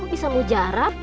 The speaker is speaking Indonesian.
kok bisa mujarab